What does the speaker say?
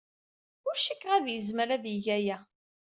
Ur cikkeɣ ad yezmer ad yeg aya.